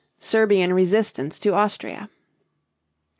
SERBIAN RESISTANCE TO AUSTRIA.